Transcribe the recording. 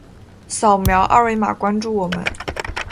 扫描二维码关注我们。